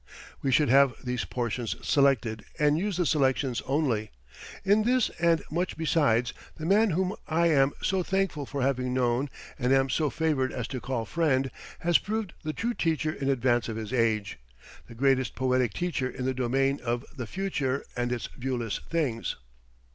We should have those portions selected and use the selections only. In this, and much besides, the man whom I am so thankful for having known and am so favored as to call friend, has proved the true teacher in advance of his age, the greatest poetic teacher in the domain of "the future and its viewless things."